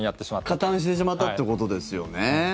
加担してしまったということですよね。